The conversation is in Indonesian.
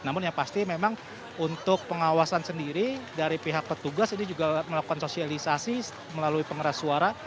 namun yang pasti memang untuk pengawasan sendiri dari pihak petugas ini juga melakukan sosialisasi melalui pengeras suara